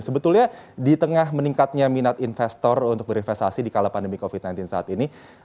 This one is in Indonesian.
sebetulnya di tengah meningkatnya minat investor untuk berinvestasi di kala pandemi covid sembilan belas saat ini